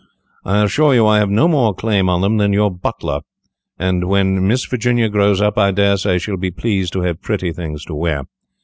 I assure you I have no more claim on them than your butler, and when Miss Virginia grows up, I dare say she will be pleased to have pretty things to wear.